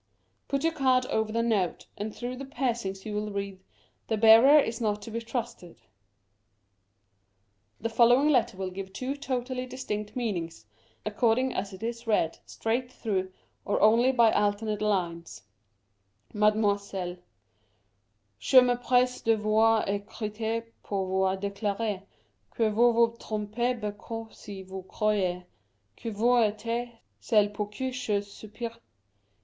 Put your card over the note, and through the piercings you will read :" The Bearer is not to be trusted." The following letter will give two totally distinct meanings, according as it is read, straight through, or only by alternate lines :— Mademoiselle, — Je m'empresse de vous dcrire pour vous declarer que vous vous trompez beaucoup si vous croyez que vous ^tes celle pour qui je soupire.